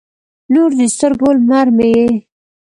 نور د سترګو، لمر مې یې